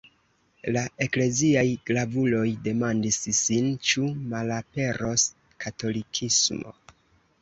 La ekleziaj gravuloj demandis sin ĉu malaperos katolikismo.